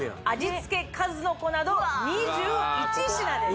付数の子など２１品です